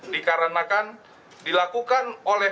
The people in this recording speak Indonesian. dikarenakan dilakukan oleh